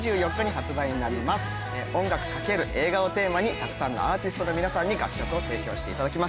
音楽×映画をテーマにたくさんのアーティストの皆さんに楽曲を提供していただきました。